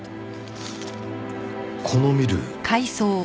このミル。